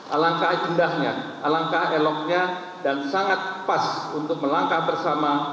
alangkah indahnya alangkah eloknya dan sangat pas untuk melangkah bersama